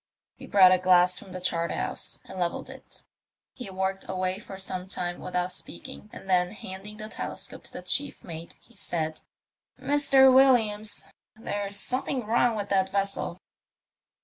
He brought a glass from the obart house and levelled it. He worked away for some time without speaking, and then handing the telescope to the chief mate, he said, ''Mr. Williams, there's Bomething wrong with that vessel."